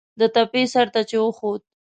د تپې سر ته چې وخوت.